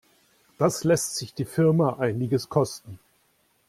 Das lässt sich die Firma einiges kosten.